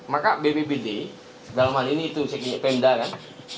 maka bppd dalam hal ini itu sekian pendah kan